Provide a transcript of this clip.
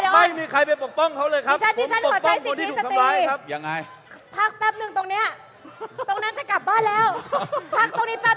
ไม่มีใครไปปกป้องเขาเลยครับคุณปกป้องคนที่ถูกละเมิด